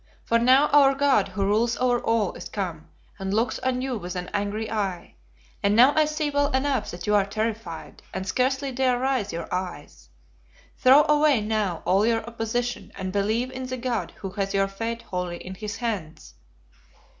For now our God, who rules over all, is come, and looks on you with an angry eye; and now I see well enough that you are terrified, and scarcely dare raise your eyes. Throw away now all your opposition, and believe in the God who has your fate wholly in his hands.'